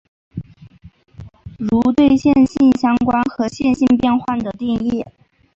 如对线性相关和线性变换的定义。